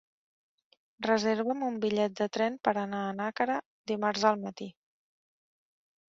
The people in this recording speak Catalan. Reserva'm un bitllet de tren per anar a Nàquera dimarts al matí.